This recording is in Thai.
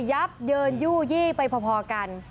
ับเยินยู่ยี่ไปพอกัน